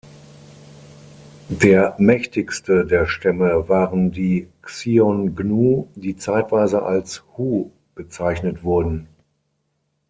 Der mächtigste der Stämme waren die Xiongnu, die zeitweise als „Hu“ bezeichnet wurden.